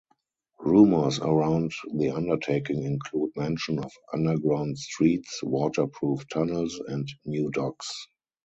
Rumors around the Undertaking include mention of 'underground streets', 'waterproof tunnels' and 'new docks'.